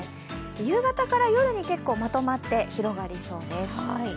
夕方から夜に結構まとまって広がりそうです。